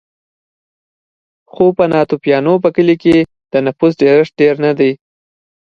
خو په ناتوفیانو په کلیو کې د نفوسو ډېرښت ډېر نه دی